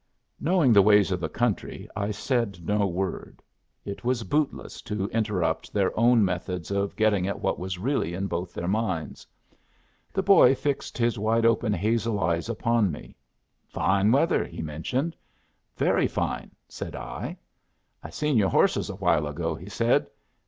Knowing the ways of the country, I said no word. It was bootless to interrupt their own methods of getting at what was really in both their minds. The boy fixed his wide open hazel eyes upon me. "Fine weather," he mentioned. "Very fine," said I. "I seen your horses a while ago," he said.